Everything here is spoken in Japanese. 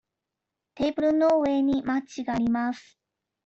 テーブルの上にマッチがあります。